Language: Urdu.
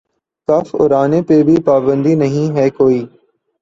کف اُڑانے پہ بھی پابندی نہیں ہے کوئی